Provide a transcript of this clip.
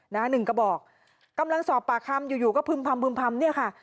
นะหนึ่งกระบอกกำลังสอบปากคำอยู่ก็พึ่มพำเนี่ยค่ะ